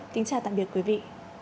kính chào tạm biệt quý vị